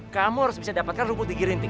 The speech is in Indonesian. kamu harus bisa dapatkan rumput di gigi rinting